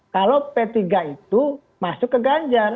kalau p tiga itu masuk ke ganjar